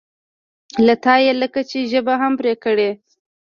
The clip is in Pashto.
له تا یې لکه چې ژبه هم پرې کړې.